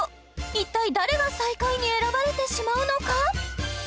一体誰が最下位に選ばれてしまうのか？